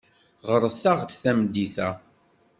Ɣret-aɣ-d tameddit-a.